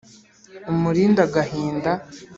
umurinde agahinda